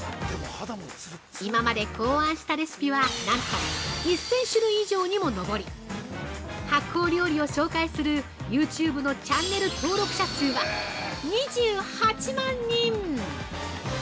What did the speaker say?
今まで考案したレシピはなんと１０００種類以上にも上り発酵料理を紹介するユーチューブのチャンネル登録者数は２８万人！